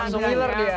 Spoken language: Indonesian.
langsung killer dia